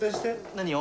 何を？